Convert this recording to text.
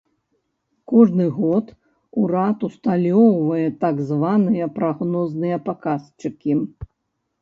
Кожны год урад усталёўвае так званыя прагнозныя паказчыкі.